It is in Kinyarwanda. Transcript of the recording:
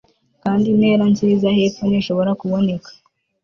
Kandi intera nziza hepfo ntishobora kuboneka